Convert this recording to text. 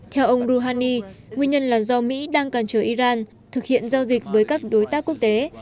theo ông rouhani nguyên nhân là do mỹ đang cản trở iran thực hiện giao dịch với các đối tác quốc tế